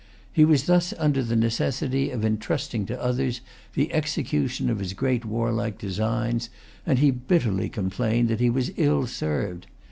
He was thus under the necessity of intrusting to others the execution of his great warlike designs; and he bitterly complained that he was ill served.